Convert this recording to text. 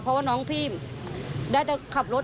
เพราะว่าน้องพี่ได้แต่ขับรถ